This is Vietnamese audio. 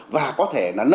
và có thể là nợ